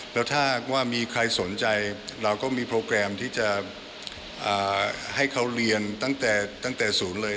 แล้วถ้าว่ามีใครสนใจเราก็มีโปรแกรมที่จะให้เขาเรียนตั้งแต่ตั้งแต่ศูนย์เลย